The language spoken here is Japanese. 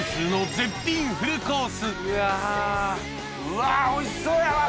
うわおいしそうやわ！